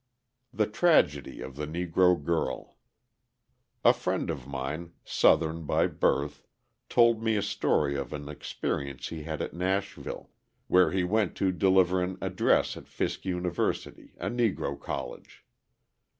The Tragedy of the Negro Girl A friend of mine, Southern by birth, told me a story of an experience he had at Nashville, where he went to deliver an address at Fisk University, a Negro college.